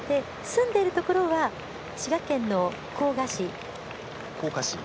住んでいるのは滋賀県の甲賀。